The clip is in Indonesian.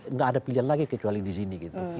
nggak ada pilihan lagi kecuali di sini gitu